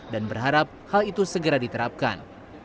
dan berharap hal itu segera diterapkan